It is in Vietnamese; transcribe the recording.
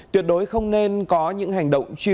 tuyệt đối không nên có những hành động chuyên